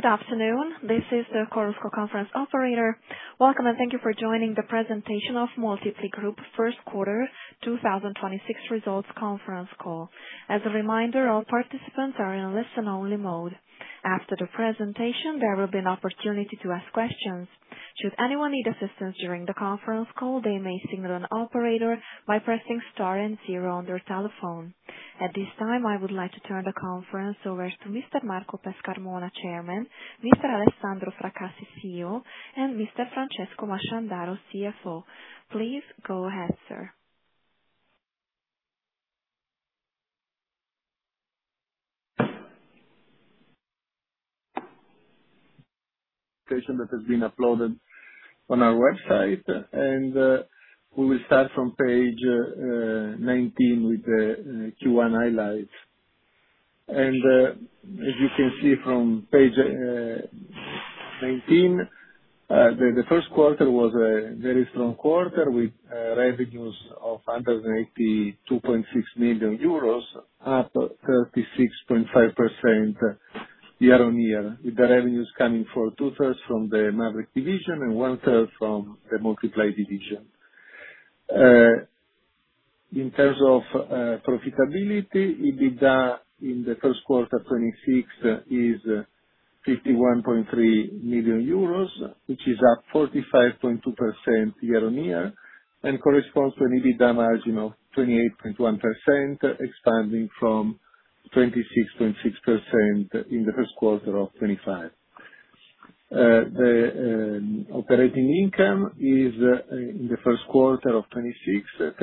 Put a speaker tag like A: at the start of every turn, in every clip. A: Good afternoon. This is the conference call operator. Welcome, and thank you for joining the presentation of Moltiply Group First Quarter 2026 Results Conference Call. As a reminder, all participants are in listen only mode. After the presentation, there will be an opportunity to ask questions. Should anyone need assistance during the conference call, they may signal an operator by pressing star and zero on their telephone. At this time, I would like to turn the conference over to Mr. Marco Pescarmona, Chairman, Mr. Alessandro Fracassi, CEO, and Mr. Francesco Masciandaro, CFO. Please go ahead, sir.
B: Patient that has been uploaded on our website, we will start from page 19 with the Q1 highlights. As you can see from page 19, the first quarter was a very strong quarter with revenues of under 182.6 million euros, up 36.5% year-on-year, with the revenues coming for 2/3 from the Mavriq division and 1/3 from the Moltiply division. In terms of profitability, EBITDA in the first quarter, 51.3 million euros, which is up 45.2% year-on-year and corresponds to an EBITDA margin of 28.1%, expanding from 26.6% in the first quarter of 2025. The operating income is in the first quarter of 2026,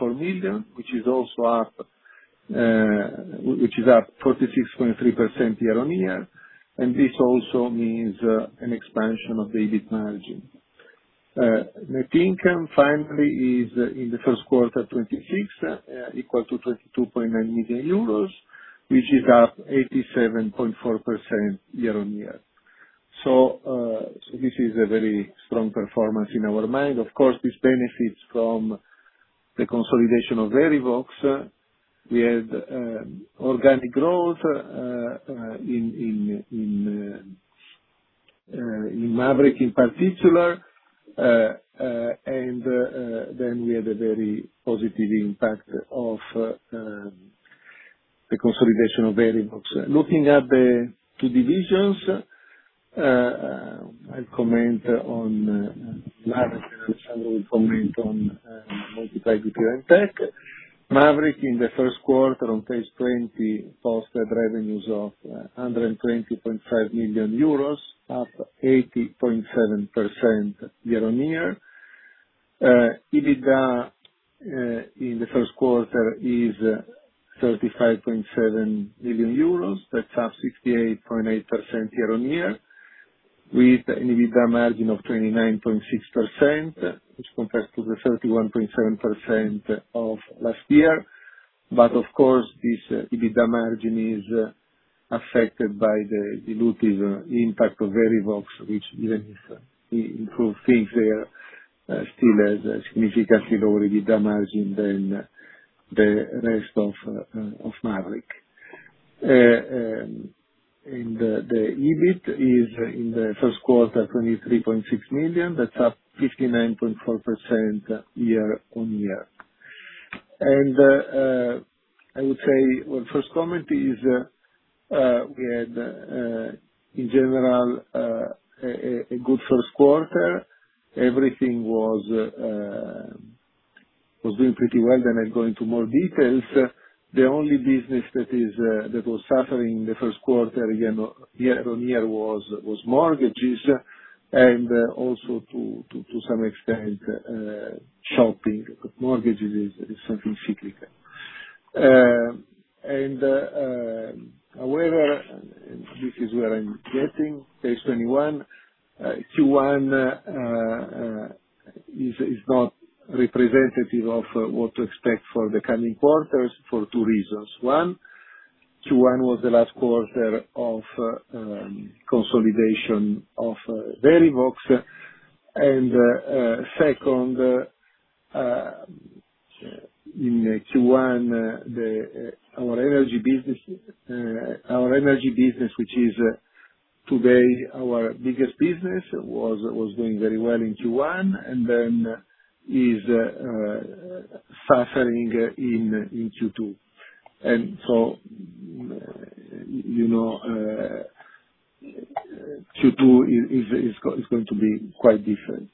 B: 32.4 million, which is also up 46.3% year-on-year. This also means an expansion of the EBIT margin. Net income finally is in the first quarter 2026, equal to 22.9 million euros, which is up 87.4% year-on-year. This is a very strong performance in our mind. Of course, this benefits from the consolidation of Verivox. We had organic growth in Mavriq in particular. We had a very positive impact of the consolidation of Verivox. Looking at the two divisions, I'll comment on Mavriq, Alessandro will comment on Moltiply BPO&Tech. Mavriq in the first quarter on page 20 posted revenues of 120.5 million euros, up 80.7% year-on-year. EBITDA in the first quarter is 35.7 million euros. That's up 68.8% year-on-year, with an EBITDA margin of 29.6%, which compares to the 31.7% of last year. Of course, this EBITDA margin is affected by the dilutive impact of Verivox, which even if we improve things there, still has a significantly lower EBITDA margin than the rest of Mavriq. The EBIT is in the first quarter, 23.6 million. That's up 59.4% year-on-year. I would say, first comment is, we had in general a good first quarter. Everything was doing pretty well. I go into more details. The only business that was suffering in the first quarter year-on-year was mortgages and also to some extent shopping. Mortgages is something cyclical. However, and this is where I'm getting, page 21. Q1 is not representative of what to expect for the coming quarters for two reasons. One, Q1 was the last quarter of consolidation of Verivox. Second, in Q1, our energy business, which is today our biggest business, was doing very well in Q1 and then is suffering in Q2. You know, Q2 is going to be quite different.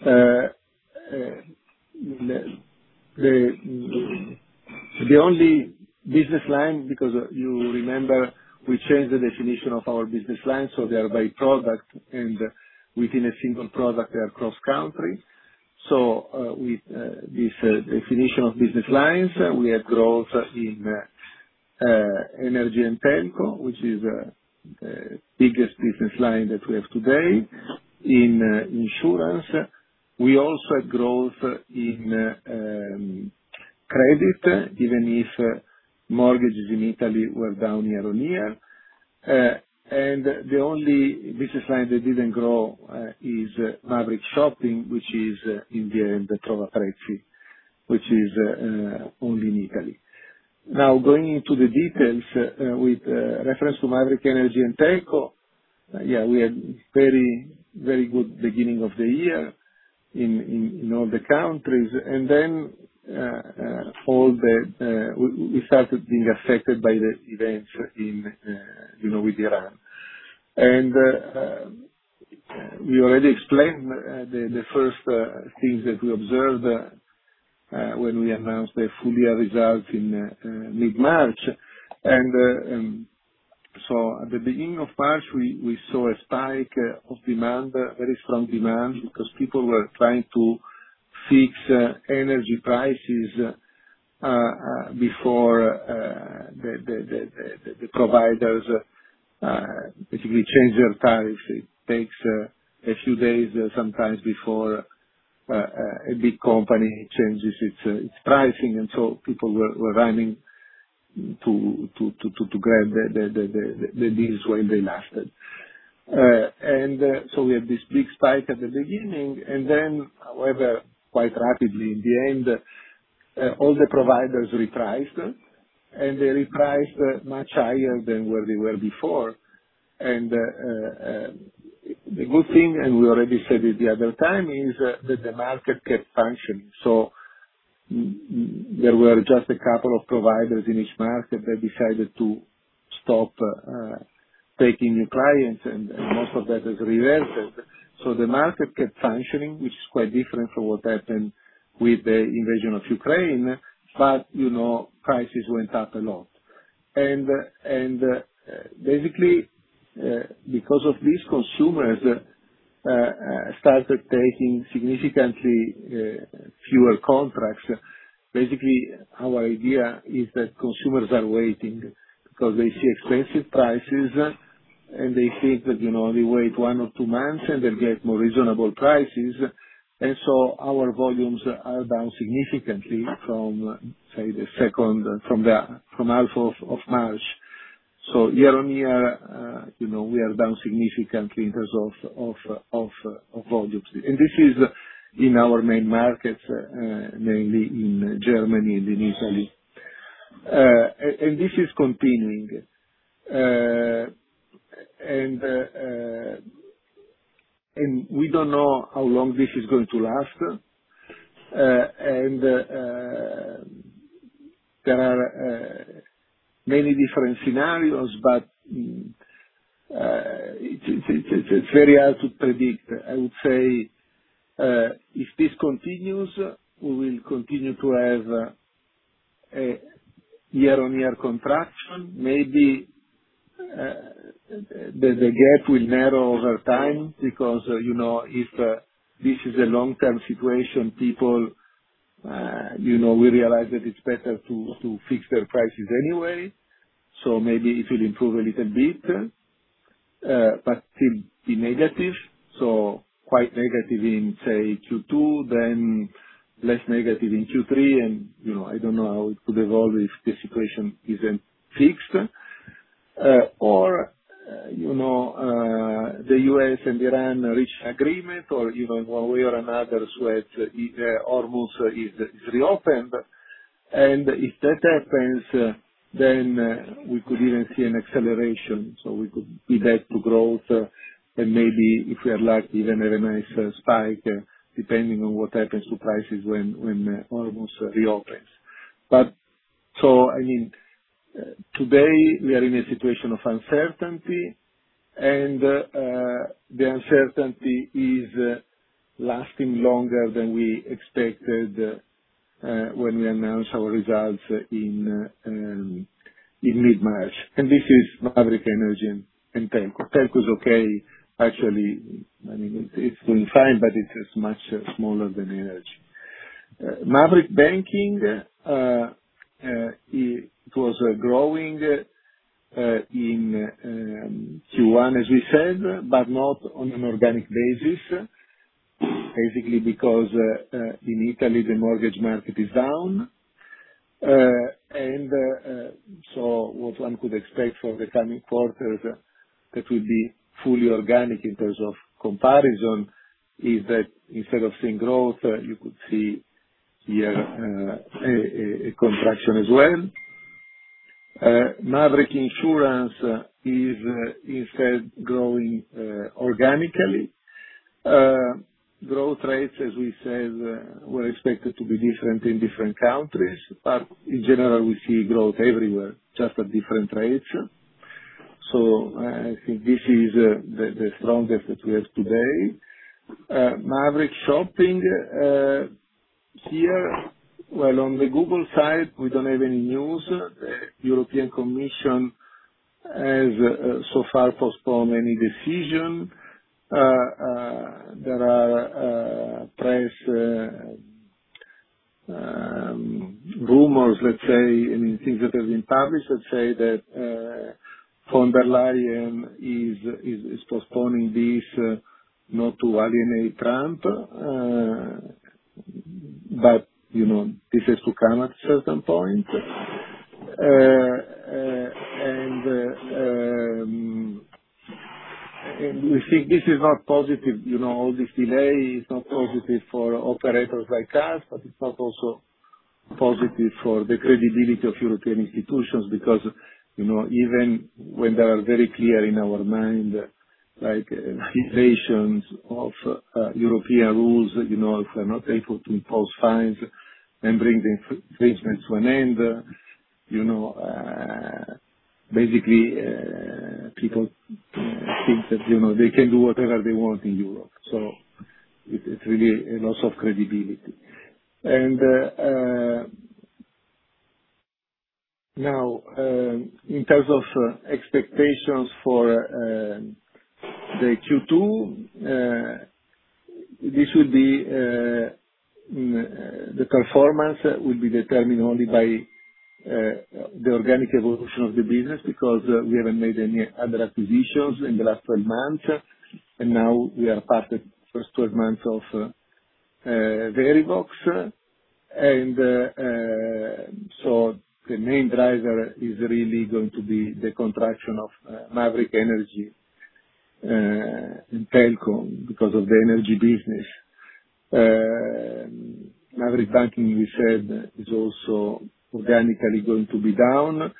B: The only business line, because you remember we changed the definition of our business line, so they are by product and within a single product they are cross-country. With this definition of business lines, we have growth in energy and telco, which is the biggest business line that we have today. In insurance, we also had growth in credit, even if mortgages in Italy were down year-on-year. The only business line that didn't grow is Mavriq Shopping, which is in the end the Trovaprezzi.it, which is only in Italy. Going into the details, with reference to Mavriq Telco & Energy. We had very good beginning of the year in all the countries. We started being affected by the events in, you know, with Iran. We already explained the first things that we observed when we announced the full year results in mid-March. At the beginning of March, we saw a spike of demand, very strong demand because people were trying to fix energy prices before the providers basically change their tariffs. It takes a few days sometimes before a big company changes its pricing, people were running to grab the deals while they lasted. We had this big spike at the beginning. However, quite rapidly in the end, all the providers repriced, and they repriced much higher than where they were before. The good thing, and we already said it the other time, is that the market kept functioning. There were just a couple of providers in each market that decided to stop taking new clients, and most of that has reversed. The market kept functioning, which is quite different from what happened with the invasion of Ukraine. You know, prices went up a lot. Basically, because of this, consumers started taking significantly fewer contracts. Basically, our idea is that consumers are waiting because they see expensive prices, and they think that, you know, they wait one or two months, and they'll get more reasonable prices. Our volumes are down significantly from, say, half of March. Year-on-year, you know, we are down significantly in terms of volumes. This is in our main markets, mainly in Germany and in Italy. And this is continuing. We don't know how long this is going to last. There are many different scenarios, but it's very hard to predict. I would say, if this continues, we will continue to have a year-on-year contraction. Maybe the gap will narrow over time because, you know, if this is a long-term situation, people, you know, will realize that it's better to fix their prices anyway. Maybe it will improve a little bit, but still be negative. Quite negative in, say, Q2, then less negative in Q3. You know, I don't know how it could evolve if the situation isn't fixed. Or, you know, the U.S. and Iran reach agreement or even one way or another, so that Hormuz is reopened. If that happens, then we could even see an acceleration, we could be back to growth. Maybe if we are lucky, even have a nice spike, depending on what happens to prices when Hormuz reopens. I mean, today we are in a situation of uncertainty, and the uncertainty is lasting longer than we expected when we announced our results in mid-March. This is Mavriq Energy and Telco. Telco is okay, actually. I mean, it's been fine, but it's much smaller than energy. Mavriq Banking, it was growing in Q1, as we said, but not on an organic basis, basically because in Italy, the mortgage market is down. What one could expect for the coming quarters that will be fully organic in terms of comparison is that instead of seeing growth, you could see here a contraction as well. Mavriq Insurance is instead growing organically. Growth rates, as we said, were expected to be different in different countries, but in general, we see growth everywhere, just at different rates. I think this is the strongest that we have today. Mavriq Shopping, here, well, on the Google side, we don't have any news. The European Commission has so far postponed any decision. There are press rumors, let's say, I mean, things that have been published that say that von der Leyen is postponing this not to alienate Trump. You know, this has to come at certain point. We think this is not positive, you know, all this delay is not positive for operators like us, but it's not also positive for the credibility of European institutions. You know, even when they are very clear in our mind, like violations of European rules, you know, if we're not able to impose fines and bring the infringements to an end, you know, basically, people think that, you know, they can do whatever they want in Europe. It's really a loss of credibility. Now, in terms of expectations for the Q2, the performance will be determined only by the organic evolution of the business, because we haven't made any other acquisitions in the last 12 months, and now we are past the first 12 months of Verivox. The main driver is really going to be the contraction of Mavriq Energy in telco because of the energy business. Mavriq Banking, we said, is also organically going to be down,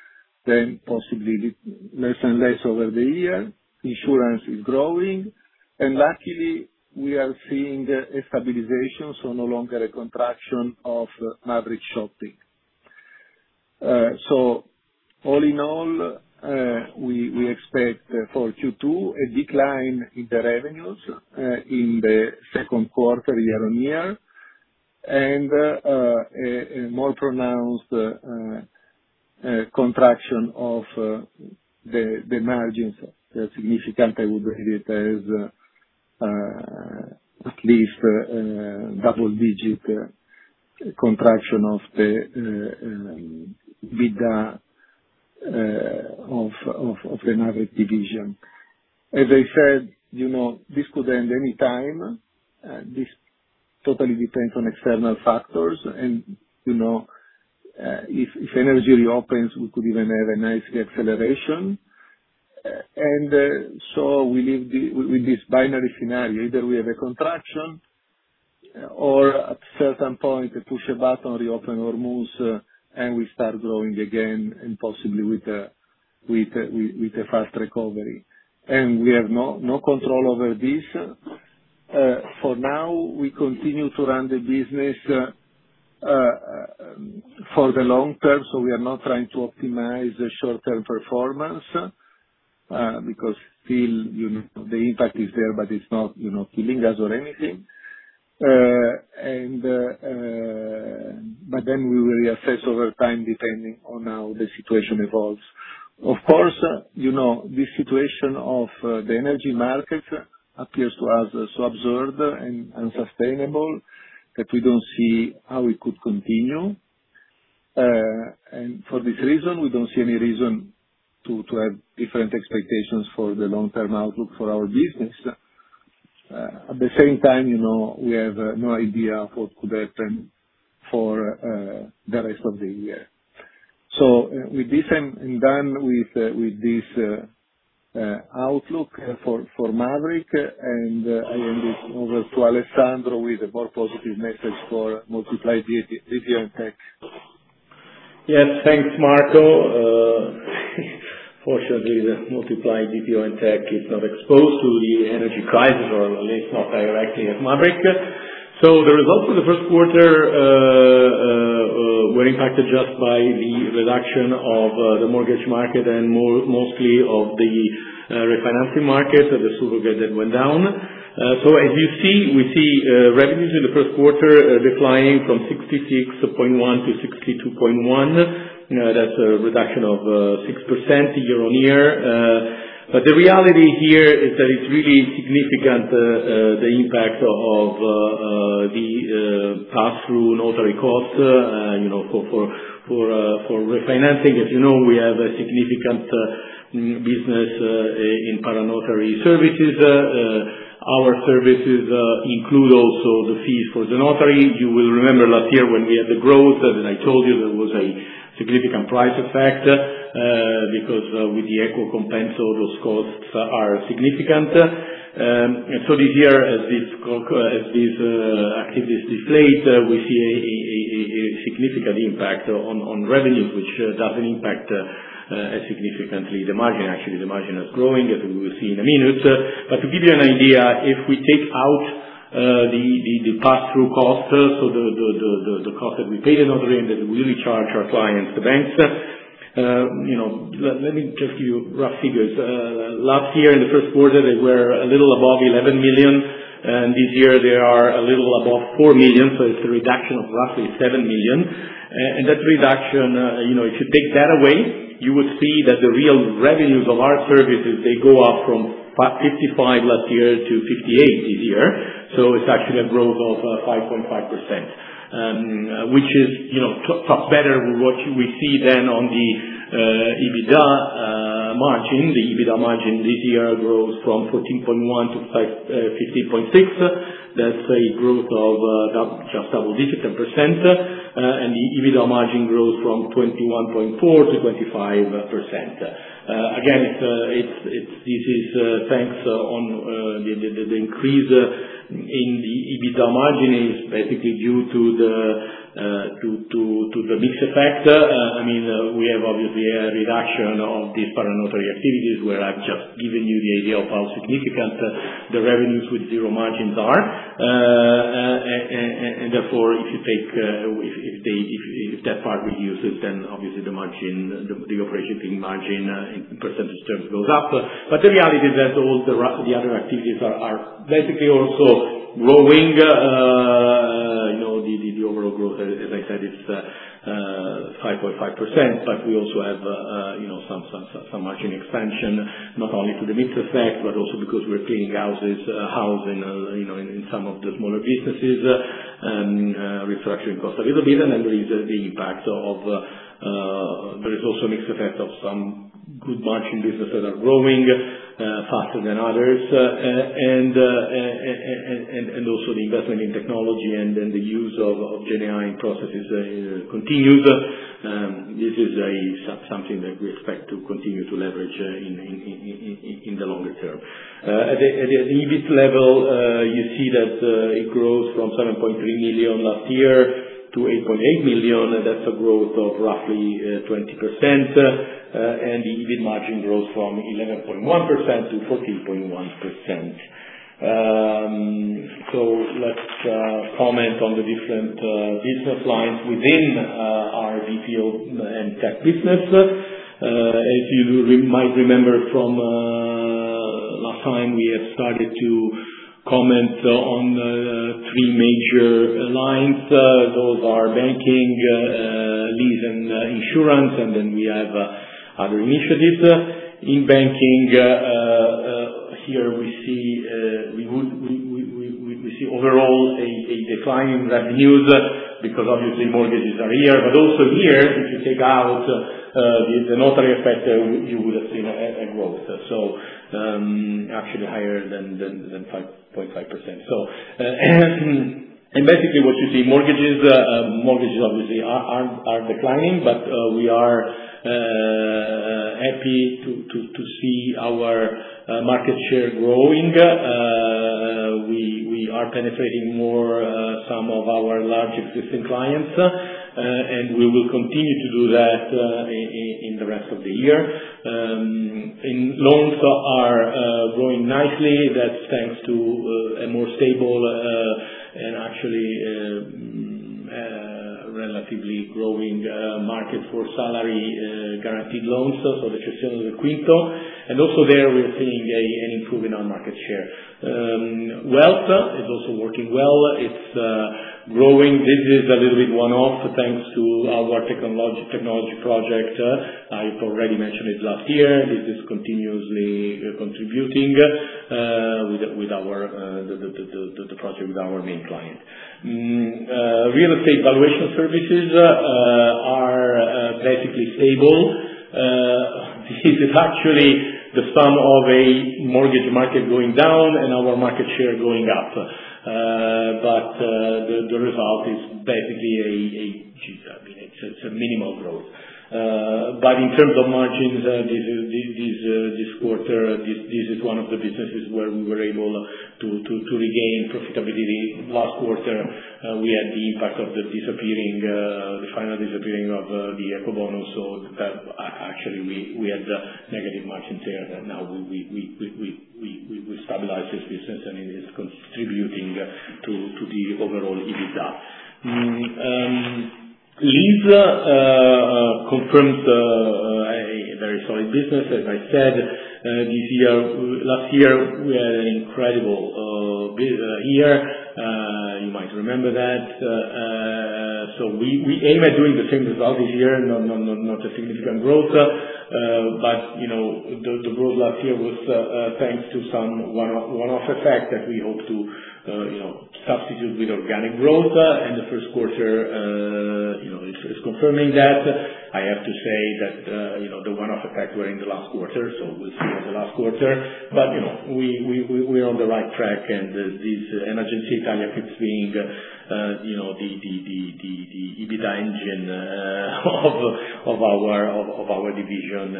B: then possibly less and less over the year. Insurance is growing. Luckily, we are seeing a stabilization, so no longer a contraction of Mavriq Shopping. All in all, we expect for Q2 a decline in the revenues in the second quarter year-on-year, and a more pronounced contraction of the margins. Significant, I would rate it as at least double-digit contraction of the EBITDA of the Mavriq division. As I said, you know, this could end any time. This totally depends on external factors and, you know, if energy reopens, we could even have a nice acceleration. With this binary scenario, either we have a contraction or at certain point, push a button, reopen Hormuz, and we start growing again, and possibly with a fast recovery. We have no control over this. For now, we continue to run the business for the long term, so we are not trying to optimize the short-term performance, because still, you know, the impact is there, but it's not, you know, killing us or anything. We will reassess over time, depending on how the situation evolves. Of course, you know, this situation of the energy market appears to us so absurd and unsustainable, that we don't see how we could continue. For this reason, we don't see any reason to have different expectations for the long-term outlook for our business. At the same time, you know, we have no idea what could happen for the rest of the year. With this, I'm done with this outlook for Mavriq. I hand it over to Alessandro with a more positive message for Moltiply BPO&Tech.
C: Yes, thanks, Marco. Fortunately, the Moltiply BPO and Tech is not exposed to the energy crisis, or at least not directly as Mavriq. The results of the first quarter were impacted just by the reduction of the mortgage market and mostly of the refinancing market. This year, as these activities deflate, we see a significant impact on revenues, which doesn't impact as significantly the margin. Actually, the margin is growing, as we will see in a minute. To give you an idea, if we take out the pass-through cost, so the cost that we pay the notary and that we really charge our clients, the banks, you know, let me give you rough figures. Last year, in the first quarter, they were a little above 11 million, and this year they are a little above 4 million, so it's a reduction of roughly 7 million. That reduction, you know, if you take that away, you would see that the real revenues of our services, they go up from 55 million last year to 58 million this year. It's actually a growth of 5.5%. Which is, you know, talks better with what we see then on the EBITDA margin. The EBITDA margin this year grows from 14.1%-15.6%. That's a growth of just double digits, 10%. The EBITDA margin grows from 21.4%-25%. Again, this is thanks on the increase in the EBITDA margin is basically due to the mix effect. I mean, we have obviously a reduction of these para-notary services where I've just given you the idea of how significant the revenues with zero margins are. Therefore, if you take that part reduces, then obviously the operating margin in percentage terms goes up. The reality is that all the other activities are basically also growing, you know, the overall growth, as I said, it's 5.5%. We also have, you know, some margin expansion, not only through the mix effect, but also because we're paying houses, housing, you know, in some of the smaller businesses, refactoring costs a little bit. There is the impact of, there is also a mix effect of some good margin businesses that are growing faster than others. Also the investment in technology and then the use of GenAI processes continues. This is something that we expect to continue to leverage in the longer term. At the EBIT level, you see that it grows from 7.3 million last year to 8.8 million. That's a growth of roughly 20%. The EBIT margin grows from 11.1% to 14.1%. Let's comment on the different business lines within our BPO&Tech business. If you might remember from last time, we have started to comment on three major lines. Those are banking, lease and insurance, we have other initiatives. In banking, here we see overall a decline in revenues because obviously mortgages are here. Also here, if you take out the notary effect, you would have seen a growth. Actually higher than 5.5%. Basically what you see, mortgages obviously are declining. We are happy to see our market share growing. We are penetrating more some of our large existing clients. We will continue to do that in the rest of the year. Loans are growing nicely. That's thanks to a more stable and actually relatively growing market for salary guaranteed loans. Also there we're seeing an improve in our market share. Wealth is also working well. It's growing. This is a little bit one-off, thanks to our technology project. I've already mentioned it last year. This is continuously contributing with the project with our main client. Real estate valuation services are basically stable. This is actually the sum of a mortgage market going down and our market share going up. The result is basically, I mean, it's a minimal growth. In terms of margins, this quarter, this is one of the businesses where we were able to regain profitability. Last quarter, we had the impact of the disappearing, the final disappearing of the Ecobonus. Actually we had negative margin there that now we stabilized this business, and it is contributing to the overall EBITDA. Lease confirms a very solid business. As I said, last year we had an incredible year. We aim at doing the same result this year. Not a significant growth, but, you know, the growth last year was thanks to some one-off effect that we hope to, you know, substitute with organic growth. The first quarter, you know, is confirming that. I have to say that, you know, the one-off effect were in the last quarter, so we'll see in the last quarter. You know, we're on the right track and this Emergency Italia keeps being, you know, the EBITDA engine of our division.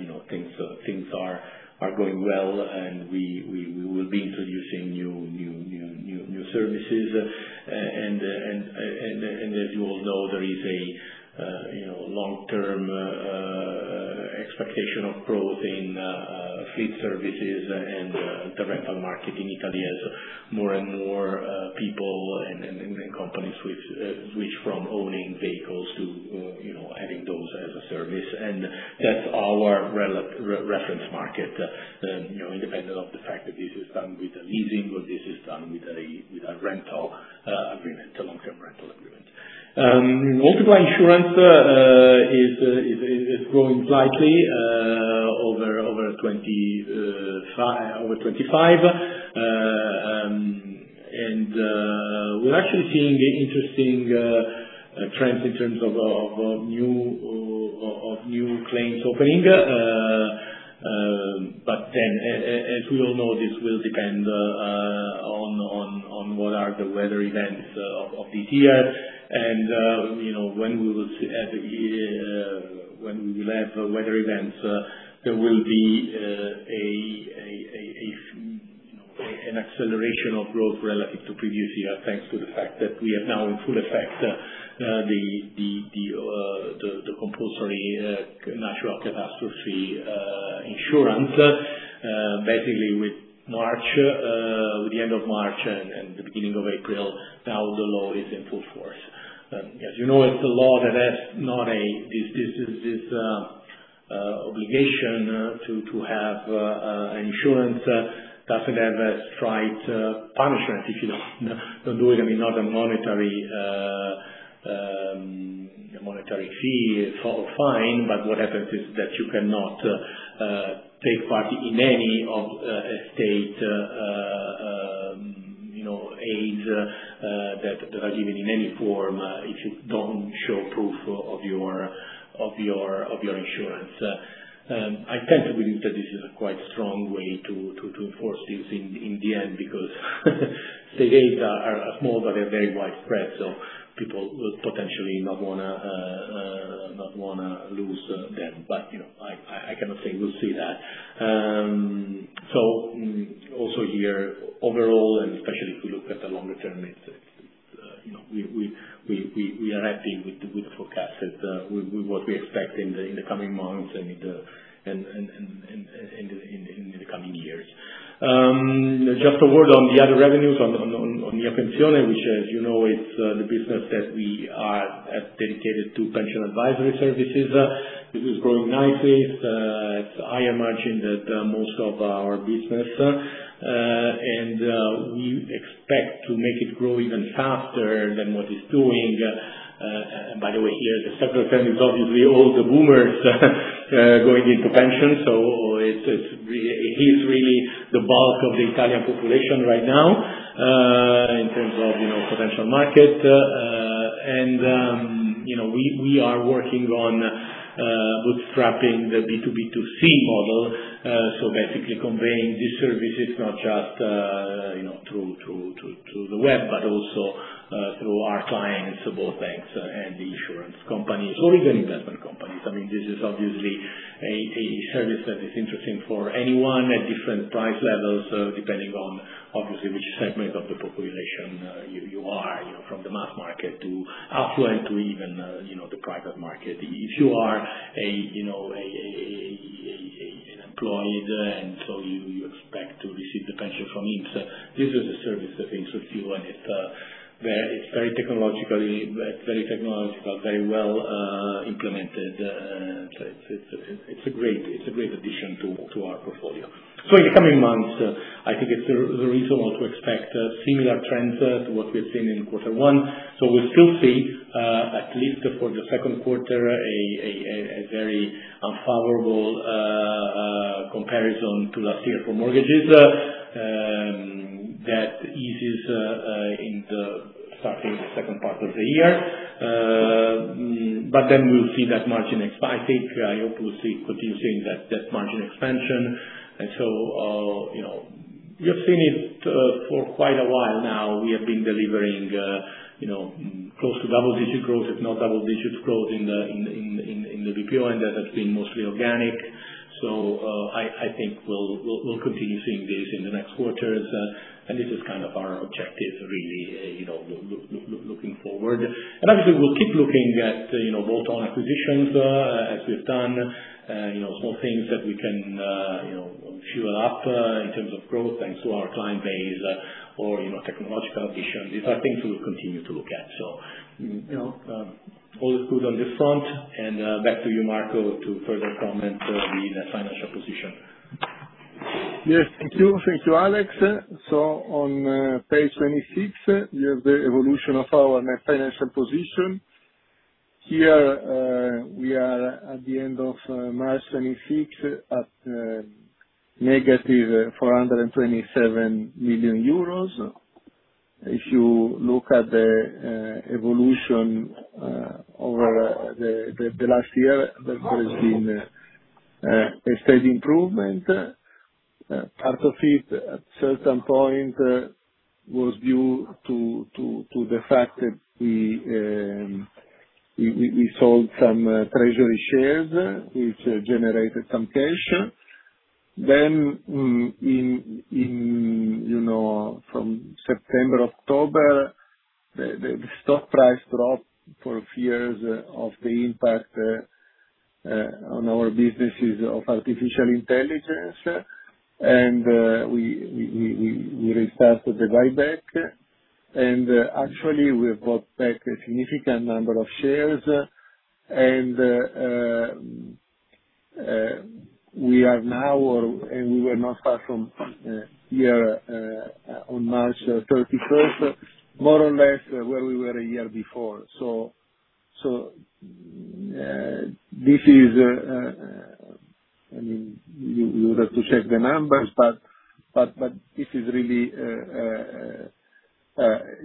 C: You know, things are going well, and we will be introducing new services. As you all know, there is a long-term expectation of growth in fleet services and the rental market in Italy as more and more people and companies switch from owning vehicles to having those as a service. That's our reference market, independent of the fact that this is done with a leasing or this is done with a rental agreement, a long-term rental agreement. Moltiply Insurance, It's growing slightly over 25. We're actually seeing interesting trends in terms of new claims opening. Then as we all know, this will depend on what are the weather events of this year. You know, when we will have weather events, there will be, you know, an acceleration of growth relative to previous year, thanks to the fact that we are now in full effect, the compulsory natural catastrophe insurance. Basically with March, the end of March and the beginning of April, now the law is in full force. As you know, it's a law that has not this obligation to have insurance doesn't have a straight punishment if you don't do it. I mean, not a monetary fee or fine, what happens is that you cannot take part in any of state, you know, aid that are given in any form, if you don't show proof of your insurance. I think that this is a quite strong way to enforce this in the end because the aids are small, but they're very widespread, so people will potentially not wanna lose them. You know, I cannot say we'll see that. Also here, overall, and especially if you look at the longer term, it's, you know, we are happy with the forecast that with what we expect in the coming months and in the coming years. Just a word on the other revenues on Mia Pensione, which as you know, it's the business that we have dedicated to pension advisory services. This is growing nicely. It's higher margin that most of our business and we expect to make it grow even faster than what it's doing. And by the way, here, the sector trend is obviously all the boomers going into pension. It is really the bulk of the Italian population right now, in terms of, you know, potential market. You know, we are working on bootstrapping the B2B2C model. Basically conveying these services not just, you know, through the web, but also through our clients, both banks and the insurance companies or even investment companies. I mean, this is obviously a service that is interesting for anyone at different price levels, depending on obviously which segment of the population you are, you know, from the mass market to affluent to even, you know, the private market. If you are, you know, an employed, you expect to receive the pension from INPS, this is a service that interests you. It's very technological, very well implemented. It's a great addition to our portfolio. In the coming months, I think it's reasonable to expect similar trends to what we've seen in quarter one. We still see, at least for the second quarter, a very unfavorable comparison to last year for mortgages. That eases in the starting the second part of the year. We'll see that margin expansion, I think, I hope we'll continue seeing that margin expansion. You know, we have seen it for quite a while now. We have been delivering, you know, close to double-digit growth, if not double-digit growth in the BPO, and that has been mostly organic. I think we'll continue seeing this in the next quarters. This is kind of our objective really, you know, looking forward. Obviously, we'll keep looking at, you know, bolt-on acquisitions as we've done. You know, small things that we can, you know, fuel up in terms of growth. Thanks to our client base or, you know, technological additions. These are things we'll continue to look at. You know, all is good on this front. Back to you, Marco, to further comment on the net financial position.
B: Yes, thank you. Thank you, Alex. On page 26, you have the evolution of our net financial position. Here, we are at the end of March 26 at negative 427 million euros. If you look at the evolution over the last year, there has been a steady improvement. Part of it at certain point was due to the fact that we sold some treasury shares which generated some cash. In, you know, from September, October, the stock price dropped for fears of the impact on our businesses of artificial intelligence. We restarted the buyback. Actually we bought back a significant number of shares. We were not far from year on March 31st, more or less where we were a year before. This is, I mean, you would have to check the numbers, but this is really,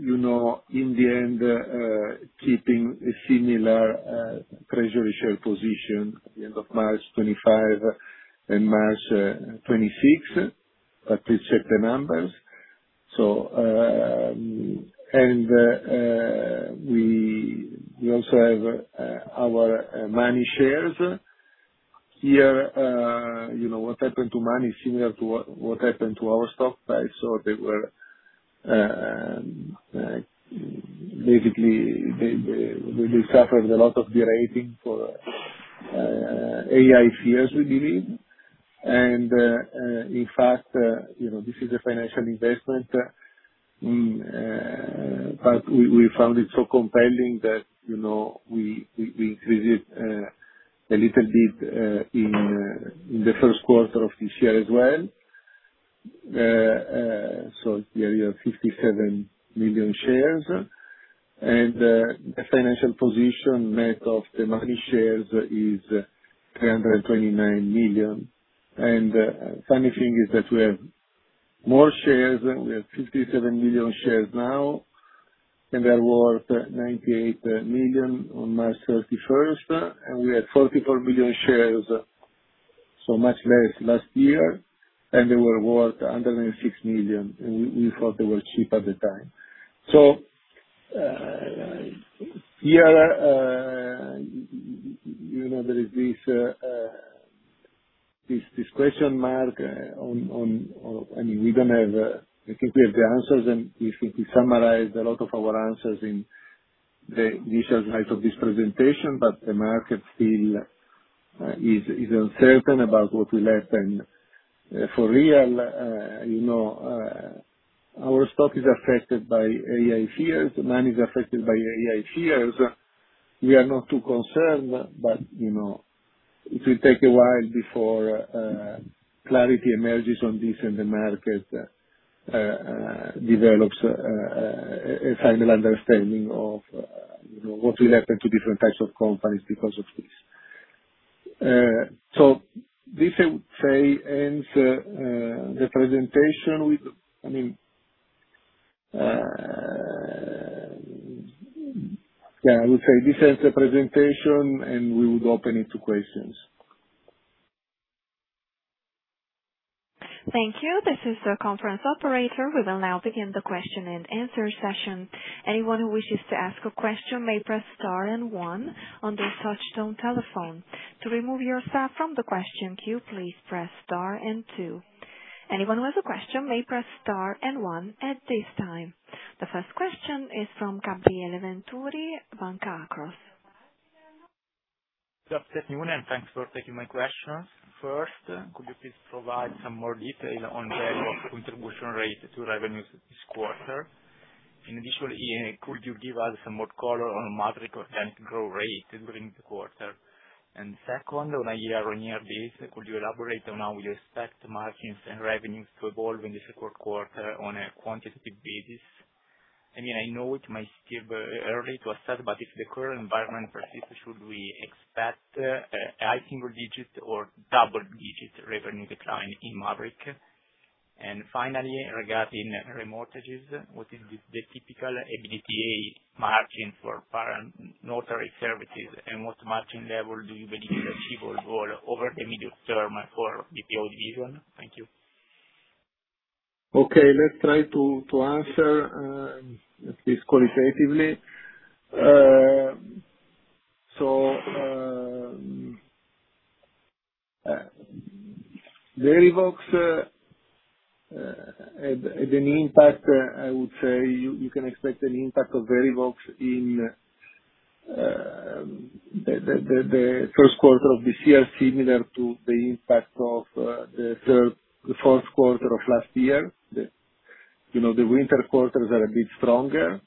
B: you know, in the end, keeping a similar treasury share position at the end of March 2025 and March 2026, but please check the numbers. We also have our MONY shares. Here, you know, what happened to MONY is similar to what happened to our stock price, they basically suffered a lot of derating for AI fears, we believe. In fact, you know, this is a financial investment, but we found it so compelling that, you know, we increased it a little bit in the first quarter of this year as well. Here we have 57 million shares. The financial position net of the MONY shares is 329 million. Funny thing is that we have more shares. We have 57 million shares now, and they are worth 98 million on March 31st. We had 44 million shares, so much less last year, and they were worth under 96 million, and we thought they were cheap at the time. Yeah, you know, there is this question mark on I mean, we don't have, I think we have the answers, and we think we summarized a lot of our answers in the initial slides of this presentation. The market still is uncertain about what will happen. For real, you know, our stock is affected by AI fears. MONY is affected by AI fears. We are not too concerned, but, you know, it will take a while before clarity emerges on this and the market develops a final understanding of, you know, what will happen to different types of companies because of this. This, I would say, ends the presentation with, I mean, Yeah, I would say this ends the presentation, and we would open it to questions.
A: Thank you. This is the conference operator. We will now begin the question-and-answer session. Anyone who wishes to ask a question may press star and one on their touchtone telephone. To remove yourself from the question queue, please press star and two. Anyone who has a question may press star and one at this time. The first question is from Gabriele Venturi, Banca Akros.
D: Good afternoon, and thanks for taking my questions. First, could you please provide some more detail on Verivox contribution rate to revenues this quarter? In addition, could you give us some more color on Mavriq organic growth rate during the quarter? Second, on a year-over-year basis, could you elaborate on how you expect margins and revenues to evolve in the second quarter on a quantitative basis? I mean, I know it might still be early to assess, but if the current environment persists, should we expect a high single-digit or double-digit revenue decline in Mavriq? Finally, regarding re-mortgages, what is the typical EBITDA margin for para-notary services, and what margin level do you believe is achievable over the medium term for BPO division? Thank you.
B: Let's try to answer at least qualitatively. Verivox had an impact. I would say you can expect an impact of Verivox in the first quarter of this year, similar to the impact of the fourth quarter of last year. You know, the winter quarters are a bit stronger.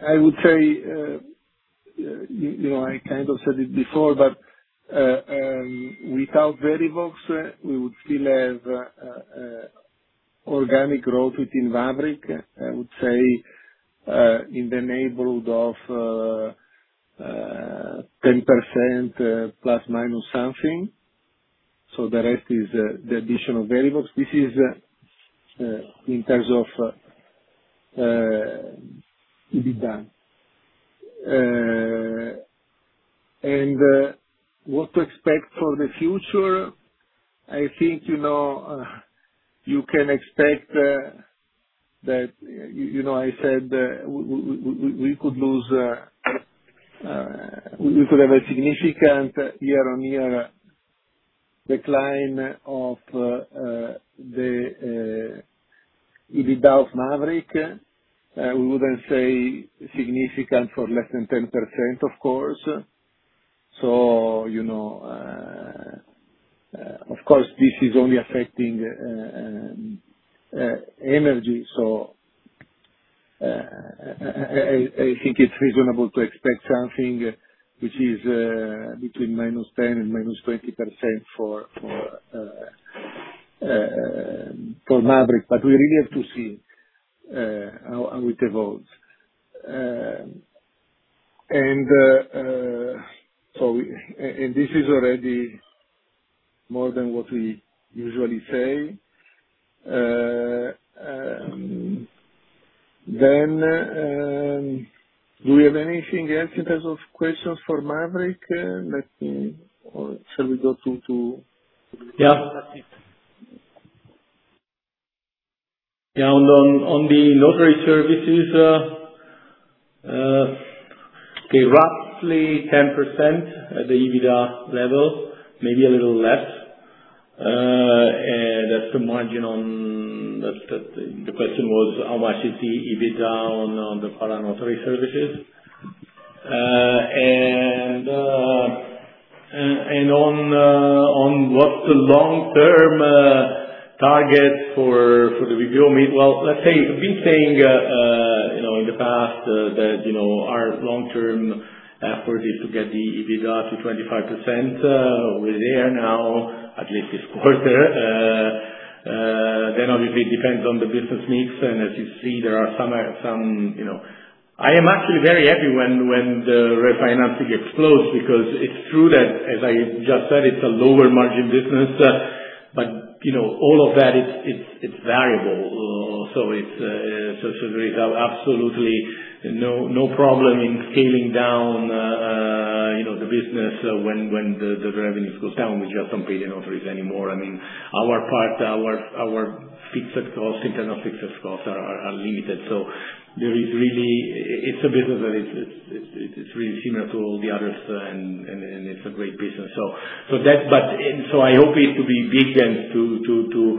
B: I would say, you know, I kind of said it before, without Verivox, we would still have organic growth within Mavriq, I would say, in the neighborhood of 10%± something. The rest is the additional Verivox. This is in terms of EBITDA. What to expect for the future, I think, you know, you can expect that I said we could have a significant year-on-year decline of the EBITDA of Mavriq. We wouldn't say significant for less than 10%, of course. Of course, this is only affecting energy, I think it's reasonable to expect something which is between -10% and -20% for Mavriq. We really have to see how it evolves. This is already more than what we usually say. Do we have anything else in terms of questions for Mavriq? Let me Or shall we go.
C: Yeah. Yeah. On the notary services, okay, roughly 10% at the EBITDA level, maybe a little less. That's the margin on. That's the question was, how much is the EBITDA on the para-notary services. On what's the long-term target for the revenue mid? Well, let's say, we've been saying, you know, in the past, that, you know, our long-term effort is to get the EBITDA to 25%. We're there now, at least this quarter. Obviously it depends on the business mix, and as you see, there are some, you know I am actually very happy when the refinancing explodes because it's true that, as I just said, it's a lower margin business. You know, all of that it's variable. It's so there is absolutely no problem in scaling down, you know, the business when the revenues goes down. We just don't pay the notaries anymore. I mean, our part, our fixed costs, internal fixed costs are limited. There is really it's a business that it's really similar to all the others and it's a great business. That's I hope it will be big and to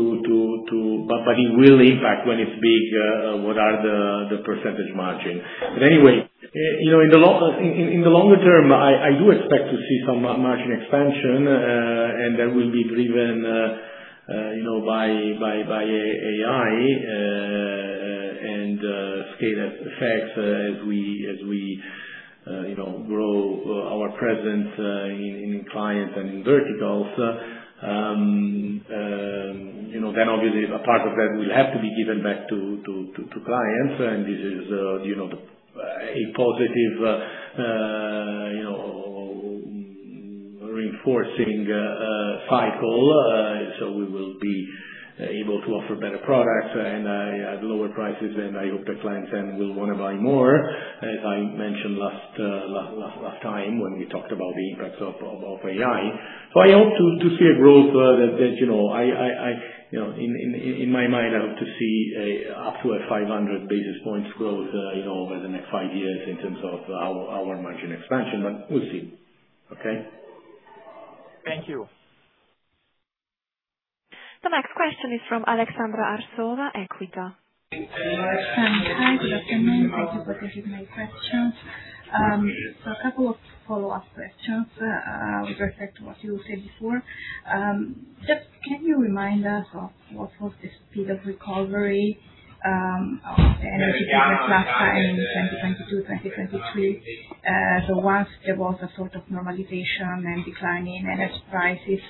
C: it will impact when it's big, what are the percentage margin. Anyway, you know, in the longer term, I do expect to see some margin expansion, and that will be driven, you know, by AI and scale effects as we, you know, grow our presence in clients and in verticals. You know, obviously a part of that will have to be given back to clients, and this is, you know, the a positive, you know, reinforcing cycle. We will be able to offer better products and at lower prices, and I hope the clients then will wanna buy more, as I mentioned last time when we talked about the impacts of AI. I hope to see a growth that, you know, I You know, in my mind, I hope to see up to a 500 basis points growth, you know, over the next five years in terms of our margin expansion, but we'll see. Okay?
D: Thank you.
A: The next question is from Aleksandra Arsova, Equita.
E: Hi, good afternoon. Thank you for taking my questions. A couple of follow-up questions with respect to what you said before. Just can you remind us of what was the speed of recovery of energy business last time in 2022, 2023? Once there was a sort of normalization and declining energy prices,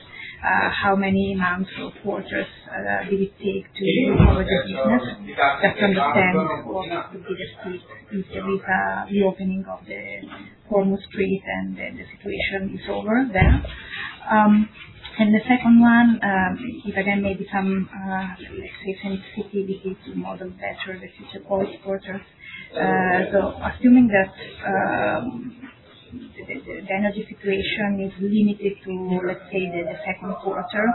E: how many months or quarters did it take to recover the business? Just to understand what could be the speed if there is a reopening of the Hormuz Strait and then the situation is over. The second one, if I may become, let's say, from CCPB to model better the future all quarters. Assuming that the energy situation is limited to, let's say, the second quarter,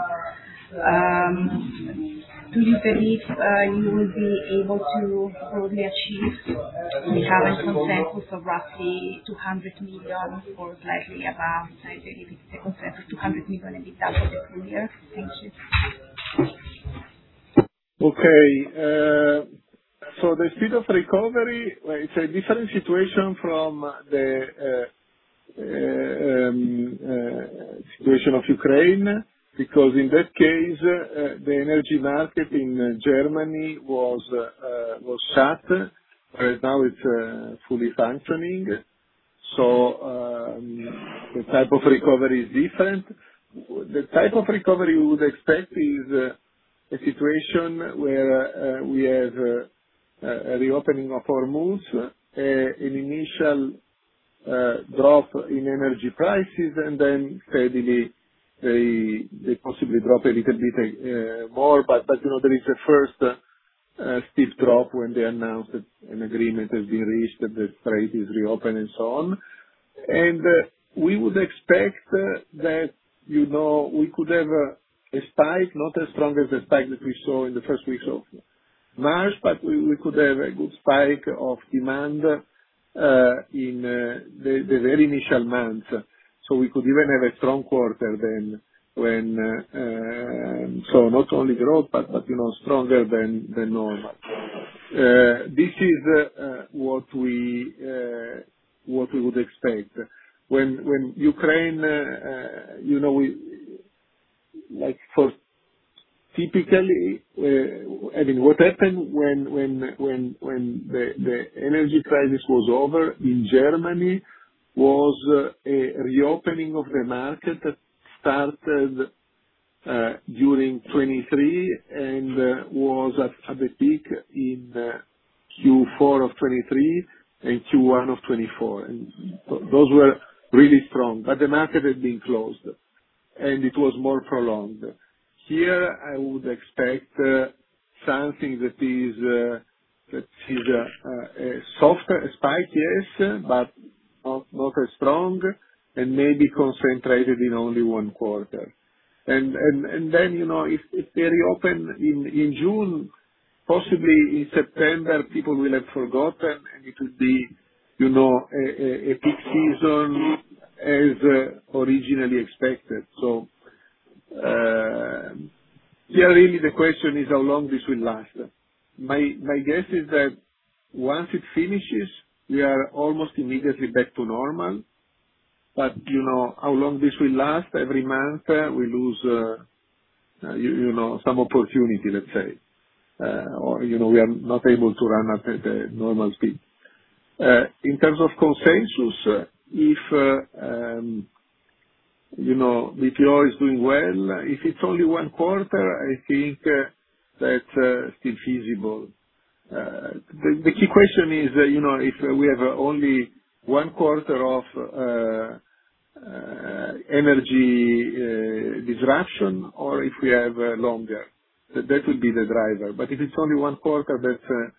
E: do you believe you will be able to broadly achieve the current consensus of roughly 200 million or slightly above? I believe it's the consensus, 200 million EBITDA for the full year. Thank you.
B: Okay. The speed of recovery, it's a different situation from the situation of Ukraine, because in that case, the energy market in Germany was shut. Whereas now it's fully functioning. The type of recovery is different. The type of recovery you would expect is a situation where we have a reopening of Hormuz, an initial drop in energy prices, then steadily they possibly drop a little bit more, but, you know, there is a first steep drop when they announce that an agreement has been reached, that the strait is reopened and so on. We would expect that, you know, we could have a spike, not as strong as the spike that we saw in the first weeks of March, but we could have a good spike of demand in the very initial months. We could even have a strong quarter then when not only growth, but, you know, stronger than normal. This is what we would expect. When Ukraine, you know, we Like, for typically, I mean, what happened when the energy crisis was over in Germany was a reopening of the market that started during 2023 and was at the peak in Q4 of 2023 and Q1 of 2024. Those were really strong. The market had been closed, and it was more prolonged. Here, I would expect something that is a softer spike, yes, but not as strong and maybe concentrated in only one quarter. If they reopen in June, possibly in September, people will have forgotten, and it'll be a peak season as originally expected. Yeah, really the question is how long this will last. My guess is that once it finishes, we are almost immediately back to normal. How long this will last, every month, we lose some opportunity, let's say. We are not able to run at the normal speed. In terms of consensus, if, you know, if BTO is doing well, if it's only one quarter, I think that's still feasible. The key question is, you know, if we have only one quarter of energy disruption or if we have longer. That would be the driver. If it's only one quarter, that's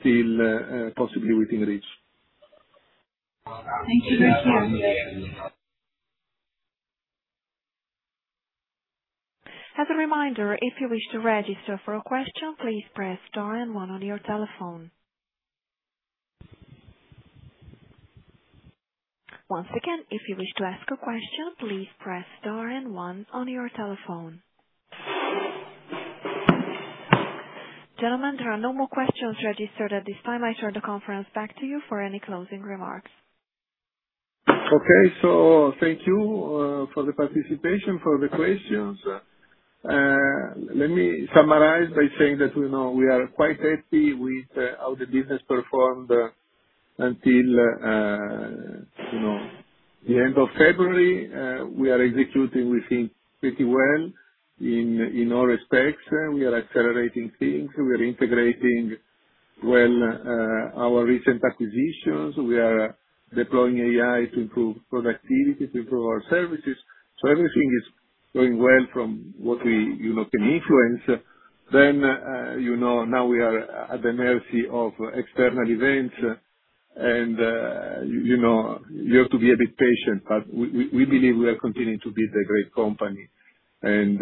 B: still possibly within reach.
E: Thank you, Marco Pescarmona.
A: As a reminder, if you wish to register for a question, please press star and one on your telephone. Once again, if you wish to ask a question, please press star and one on your telephone. Gentlemen, there are no more questions registered at this time. I turn the conference back to you for any closing remarks.
B: Okay. Thank you for the participation, for the questions. Let me summarize by saying that, you know, we are quite happy with how the business performed until, you know, the end of February. We are executing, we think, pretty well in all respects. We are accelerating things. We are integrating well our recent acquisitions. We are deploying AI to improve productivity, to improve our services. Everything is going well from what we, you know, can influence. Now we are at the mercy of external events and, you know, you have to be a bit patient. We believe we are continuing to build a great company and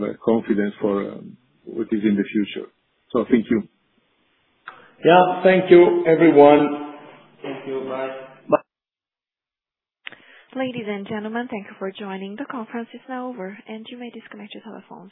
B: have confidence for what is in the future. Thank you.
C: Yeah. Thank you, everyone.
D: Thank you. Bye.
A: Ladies and gentlemen, thank you for joining. The conference is now over, and you may disconnect your telephones.